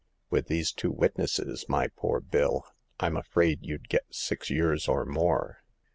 With these two witnesses, my poor Bill, Tm afraid you'd get six years or more